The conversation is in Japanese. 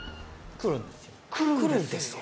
「来るんですよ」